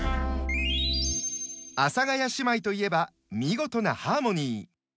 阿佐ヶ谷姉妹といえば見事なハーモニー。